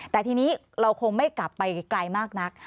แต่ทีนี้เราคงไม่กลับไปไกลมากนัก